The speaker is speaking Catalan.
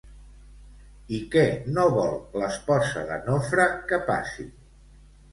I què no vol l'esposa de Nofre que passi?